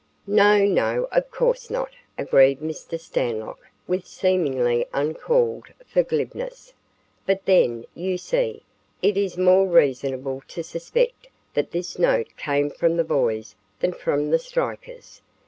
"No, no, of course not," agreed Mr. Stanlock with seemingly uncalled for glibness; "but then, you see, it is more reasonable to suspect that this note came from the boys than from the strikers.